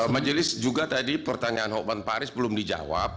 majelis juga tadi pertanyaan hokman paris belum dijawab